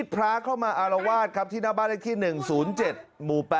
พระเข้ามาอารวาสครับที่หน้าบ้านเลขที่๑๐๗หมู่๘